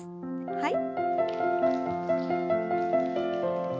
はい。